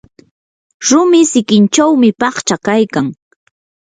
rumi sikinchawmi pachka kaykan.